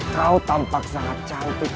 kau tampak sangat cantik